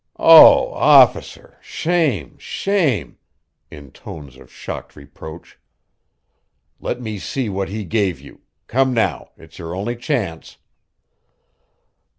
"Oh, officer! Shame! Shame!" in tones of shocked reproach. "Let me see what he gave you come now, it's your only chance."